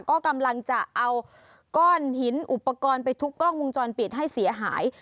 ก็กำลังจะเอาก้อนหินอุปกรณ์ไปทุบกล้องวงจรปิดให้เสียหาย